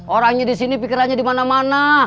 orangnya di sini pikirannya di mana mana